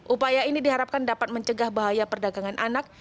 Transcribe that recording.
upaya ini diharapkan dapat mencegah bahaya perdagangan anak